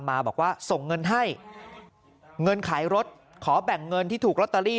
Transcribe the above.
มาบอกว่าส่งเงินให้เงินขายรถขอแบ่งเงินที่ถูกลอตเตอรี่